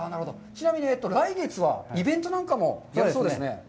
ちなみに、来月はイベントなんかもやるそうですね。